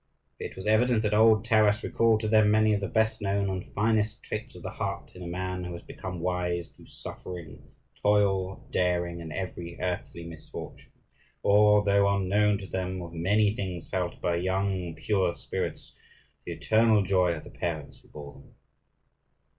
For it was evident that old Taras recalled to them many of the best known and finest traits of the heart in a man who has become wise through suffering, toil, daring, and every earthly misfortune, or, though unknown to them, of many things felt by young, pure spirits, to the eternal joy of the parents who bore them.